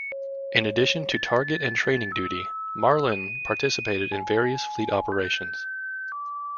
In addition to target and training duty, "Marlin" participated in various fleet operations.